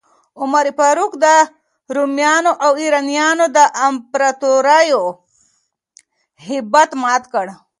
عمر فاروق د رومیانو او ایرانیانو د امپراتوریو هیبت مات کړ.